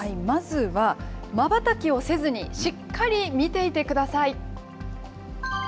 まずは、まばたきをせずにしっかり見ていてください。